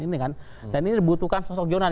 ini kan dan ini dibutuhkan sosok jonan